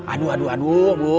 aduh aduh aduh bu